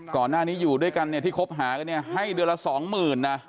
ก่อนหน้านี้อยู่ด้วยกันที่คบหากันให้เดือนละสองหมื่น